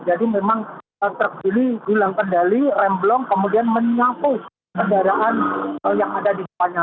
jadi memang truk ini hilang kendali remblong kemudian menyapu kendaraan yang ada di depannya